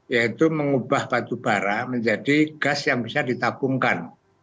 yaitu mengubah batu bara menjadi gas yang bisa ditabungkan